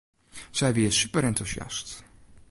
Sy wie superentûsjast.